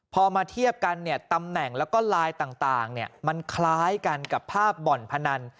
พอมาเทียบกันเนี่ยตำแหน่งแล้วก็ไลน์ต่างมันคล้ายกันกับภาพบ่อนพนัน